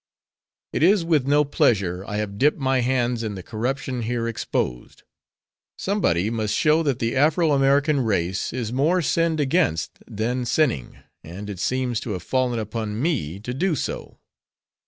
It is with no pleasure I have dipped my hands in the corruption here exposed. Somebody must show that the Afro American race is more sinned against than sinning, and it seems to have fallen upon me to do so.